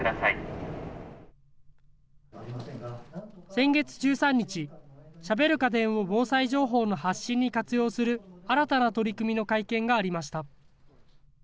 先月１３日、しゃべる家電を防災情報の発信に活用する、新たな取り組みの会見がありました。